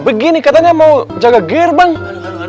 begini katanya mau jaga gerbang nih pak sri kiti